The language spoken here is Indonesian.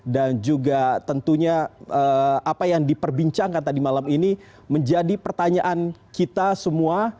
dan juga tentunya apa yang diperbincangkan tadi malam ini menjadi pertanyaan kita semua